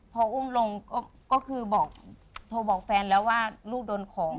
พออุ้มลงก็คือบอกโทรบอกแฟนแล้วว่าลูกโดนของ